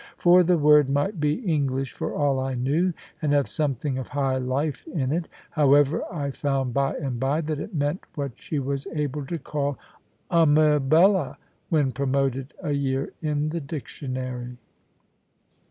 For the word might be English for all I knew, and have something of high life in it. However, I found, by and by, that it meant what she was able to call "Ummibella," when promoted a year in the dictionary.